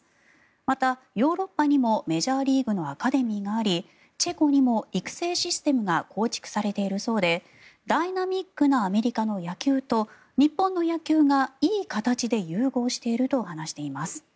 また、ヨーロッパにもメジャーリーグのアカデミーがありチェコにも育成システムが構築されているそうでダイナミックなアメリカの野球と日本の野球がいい形で融合していると話しています。